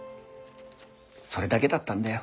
それだけだったんだよ。